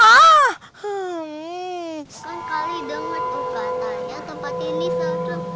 kan kali denger tuh katanya tempat ini seru